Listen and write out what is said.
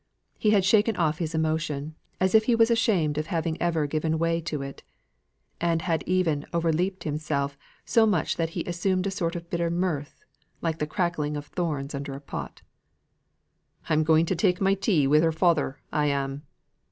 He had shaken off his emotion, as if he was ashamed of having ever given way to it; and had even o'erleaped himself so much that he assumed a sort of bitter mirth, like the crackling of thorns under a pot. "I'm going to take my tea wi' her father, I am."